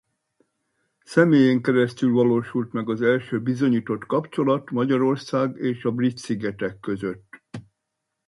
Személyén keresztül valósult meg az első bizonyított kapcsolat Magyarország és a Brit-szigetek között.